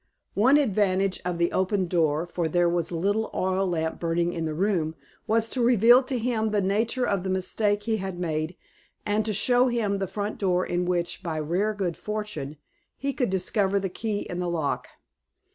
One advantage of the opened door (for there was a small oil lamp burning in the room) was to reveal to him the nature of the mistake he had made, and to show him the front door in which, by rare good fortune, he could discover the key in the lock.